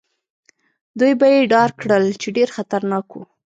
دوی به يې ډار کړل، چې ډېر خطرناک وو.